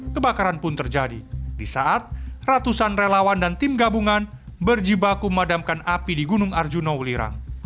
kebakaran pun terjadi di saat ratusan relawan dan tim gabungan berjibaku memadamkan api di gunung arjuna wulirang